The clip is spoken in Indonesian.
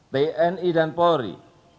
tni dan polri